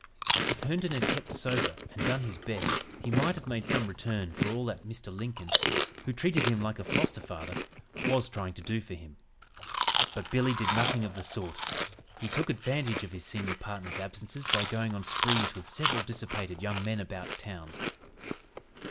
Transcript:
If Herndon had kept sober and done his best he might have made some return for all that Mr. Lincoln, who treated him like a foster father, was trying to do for him. But "Billy" did nothing of the sort. He took advantage of his senior partner's absences by going on sprees with several dissipated young men about town.